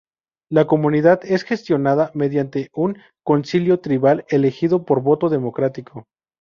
La comunidad es gestionada mediante un concilio tribal elegido por voto democrático.